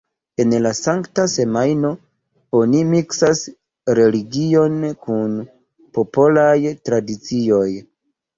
En la Sankta Semajno oni miksas religion kun popolaj tradicioj.